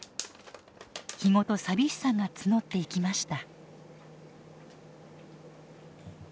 日ごと寂しさが募っていきました。